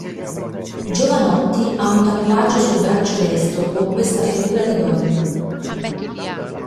Jovanotti ha un tatuaggio sul braccio destro con questa figura di donna.